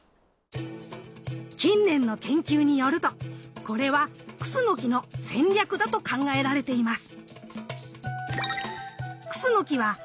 ⁉近年の研究によるとこれはクスノキの戦略だと考えられています。